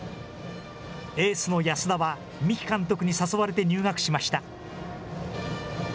エースの安田は三木監督に誘われて入学しました。